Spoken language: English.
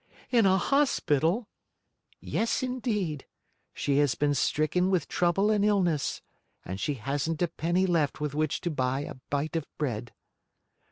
"In a hospital?" "Yes, indeed. She has been stricken with trouble and illness, and she hasn't a penny left with which to buy a bite of bread."